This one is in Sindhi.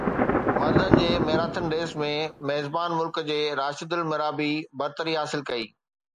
مردن جي ميراٿن ريس ۾ ميزبان ملڪ جي راشد المرابي برتري حاصل ڪئي